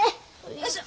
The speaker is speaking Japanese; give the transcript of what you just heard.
よいしょ。